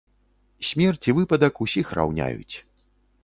Смерць і выпадак усіх раўняюць.